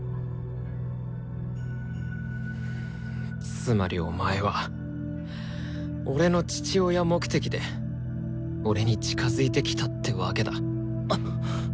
つまりお前は俺の父親目的で俺に近づいてきたってわけだ。